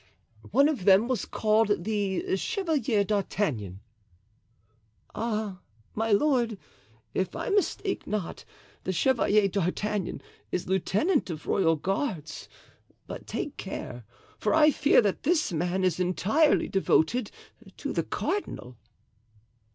"One of them was called the Chevalier d'Artagnan." "Ah, my lord, if I mistake not, the Chevalier d'Artagnan is lieutenant of royal guards; but take care, for I fear that this man is entirely devoted to the cardinal."